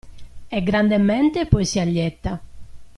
E grandemente poi si allieta.